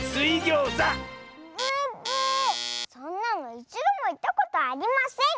そんなのいちどもいったことありません！